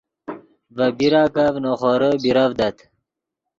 ڤے پیراکف نے خورے بیرڤدت